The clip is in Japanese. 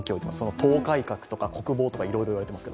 党改革とか国防とかいろいろ言われていますが。